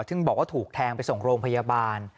ซึ่งบอกว่าถูกแทงไปส่งโรงพยาบาล